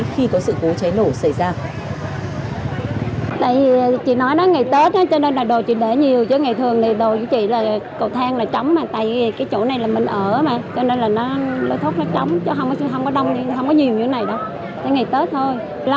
khi có sự cố cháy nổ xảy ra